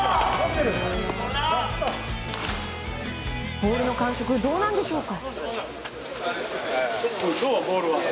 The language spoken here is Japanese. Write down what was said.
ボールの感触どうなんでしょうか？